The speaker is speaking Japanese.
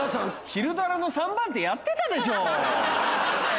昼ドラの３番手やってたでしょ！